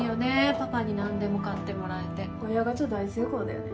パパに何でも買ってもらえて親ガチャ大成功だよね。